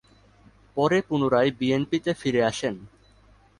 পরে পুনরায় বিএনপিতে ফিরে আসেন।